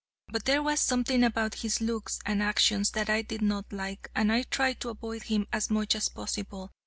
But there was something about his looks and actions that I did not like, and I tried to avoid him as much as possible.